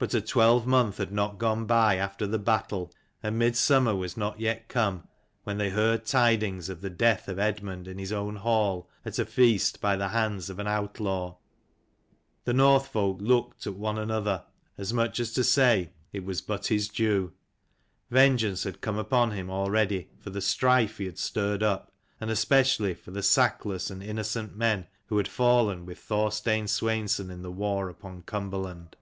But a twelvemonth had not gone by after the battle, and mid summer was not yet come, when they heard tidings of the death of Eadmund in his own hall at a feast, by the hands of an outlaw. The North folk looked at one another, as much as to say it was but his due ; vengeance had come upon him already for the strife he had stirred up, and especially for the sackless and innocent men who had fallen with Thorstein Sweinson in the war upon Cumberland.